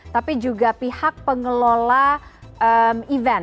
tapi juga pihak pengelola event